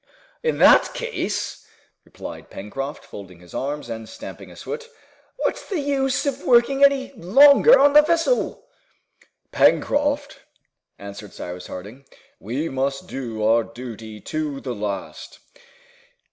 "In that case," replied Pencroft, folding his arms and stamping his foot, "what's the use of working any longer on the vessel?" "Pencroft," answered Cyrus Harding, "we must do our duty to the last!"